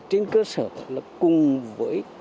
trên cơ sở cùng với